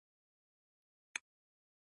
په پایله کې به اضافي کار یو ساعت زیات شي